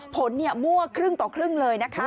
ผลมั่วครึ่งต่อครึ่งเลยนะคะ